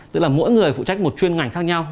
tức là mỗi người phụ trách một chuyên ngành khác nhau